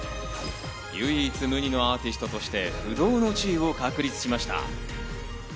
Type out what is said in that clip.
唯一無二のアーティストとして不動の地位を確立しました。